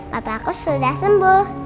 papaku sudah sembuh